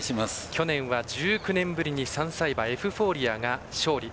去年は１９年ぶりに３歳馬のエフフォーリアが勝利。